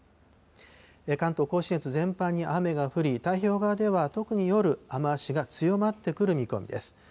関東甲信越全般に雨が降り、太平洋側では特に夜、雨足が強まってくる見込みです。